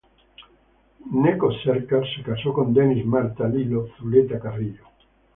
Gnecco Cerchar se casó con Dennis Martha "Lilo" Zuleta Carrillo.